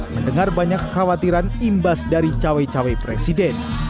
mendengar banyak kekhawatiran imbas dari cawe cawe presiden